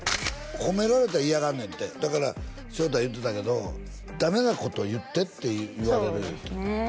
褒められたら嫌がるねんてだから将太が言ってたけどダメなこと言ってって言われるいうてそうですね